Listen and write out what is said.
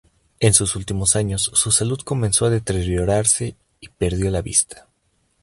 En sus últimos años, su salud comenzó a deteriorarse y perdió la vista.